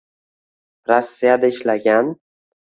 Rossiyada ishlagan